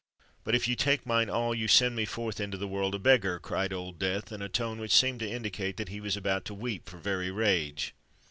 "But, if you take mine all, you send me forth into the world a beggar!" cried Old Death, in a tone which seemed to indicate that he was about to weep for very rage.